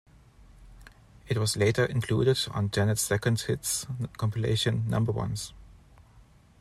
It was later included on Janet's second hits compilation "Number Ones".